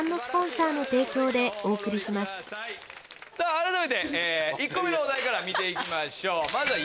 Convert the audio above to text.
改めて１個目のお題から見ていきましょう。